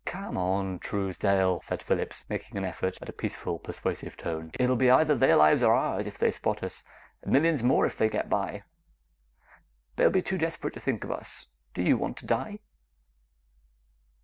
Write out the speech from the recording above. "Come on, Truesdale," said Phillips, making an effort at a peaceful, persuasive tone. "It will be either their lives or ours if they spot us and millions more if they get by. They'll be too desperate to think of us. Do you want to die?"